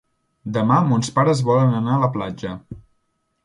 Demà mons pares volen anar a la platja.